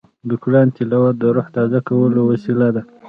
د قرآن تلاوت د روح تازه کولو وسیله ده.